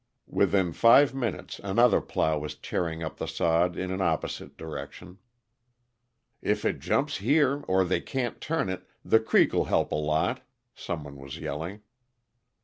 Within five minutes another plow was tearing up the sod in an opposite direction. "If it jumps here, or they can't turn it, the creek'll help a lot," some one was yelling.